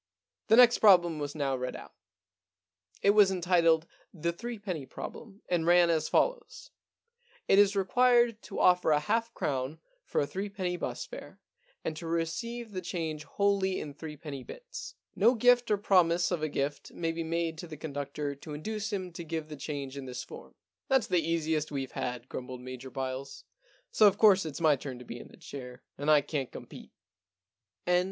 * The next problem was now read out. It 182 The Alibi Problem was entitled * The Threepenny Problem,' and ran as follows :* It is required to offer a half crown for a threepenny bus fare, and to receive the change wholly in threepenny bits. No gift or promise of a gift may be made to the conductor to induce him to give the change in this form,' * That*s the easiest we've ever had,' grumbled Major Byles. * So, of course, it's my turn to be in the chair, and I can't compete.' >83 No.